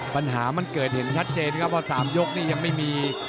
ปัญหามันเกิดเห็นชัดเจนครับว่า๓ยกนี่ยังไม่มี